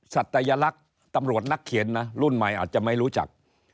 สัตยลักษณ์ตำรวจนักเขียนนะรุ่นใหม่อาจจะไม่รู้จัก